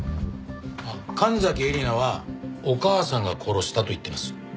神崎えりなはお母さんが殺したと言っています。